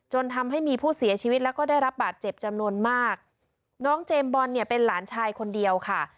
ทำให้มีผู้เสียชีวิตแล้วก็ได้รับบาดเจ็บจำนวนมากน้องเจมส์บอลเนี่ยเป็นหลานชายคนเดียวค่ะ